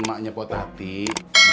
maknya potati kering